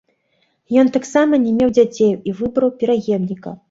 Ён таксама не меў дзяцей і выбраў пераемніка.